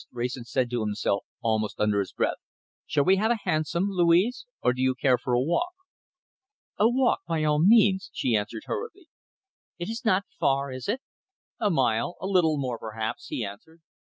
Wrayson said to himself, almost under his breath. "Shall we have a hansom, Louise, or do you care for a walk?" "A walk, by all means," she answered hurriedly. "It is not far, is it?" "A mile a little more perhaps," he answered.